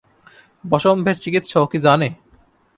বসম্ভের চিকিৎসা ও কী জানে?